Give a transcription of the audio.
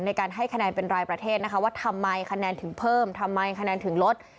ในการให้คะแนนเป็นรายประเทศนะคะว่าทำไมคะแนนถึงเพิ่มทำไมคะแนนถึงลด